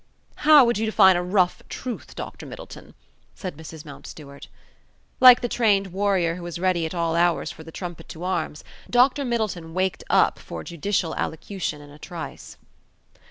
"How would you define a rough truth, Dr. Middleton?" said Mrs. Mountstuart. Like the trained warrior who is ready at all hours for the trumpet to arms, Dr. Middleton waked up for judicial allocution in a trice.